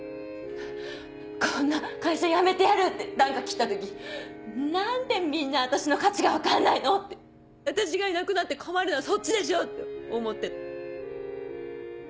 「こんな会社辞めてやる」って啖呵切った時何でみんな私の価値が分からないのって私がいなくなって困るのはそっちでしょって思ってた。